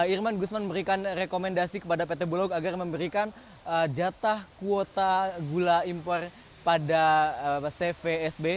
irman gusman memberikan rekomendasi kepada pt bulog agar memberikan jatah kuota gula impor pada cvsb